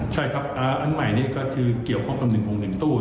ใช่ครับอันใหม่นี้ก็คือเกี่ยวข้องกับ๑๖๑ตู้